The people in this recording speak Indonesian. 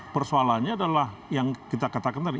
persoalannya adalah yang kita katakan tadi